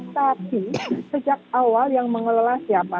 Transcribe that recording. tapi sejak awal yang mengelola siapa